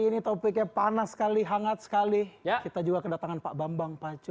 ini topiknya panas sekali hangat sekali kita juga kedatangan pak bambang pacu